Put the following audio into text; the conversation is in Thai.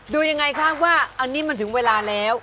ดูยังไงครับว่าอันนี้มันถึงเวลาแล้ว